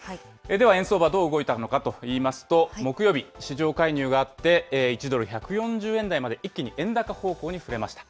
では円相場、どう動いたのかといいますと、木曜日、市場介入があって、１ドル１４０円台まで一気に円高方向に振れました。